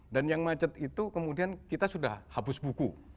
dan yang macet itu kemudian kita sudah habis buku